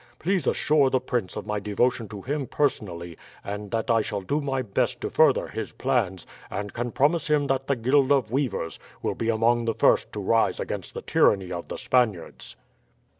Please assure the prince of my devotion to him personally, and that I shall do my best to further his plans, and can promise him that the Guild of Weavers will be among the first to rise against the tyranny of the Spaniards."